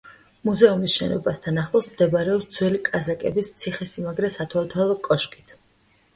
მუზეუმის შენობასთან ახლოს მდებარეობს ძველი კაზაკების ციხესიმაგრე სათვალთვალო კოშკით.